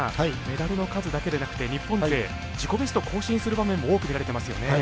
メダルの数だけでなくて日本勢、自己ベスト更新する場面も多く見られてますよね。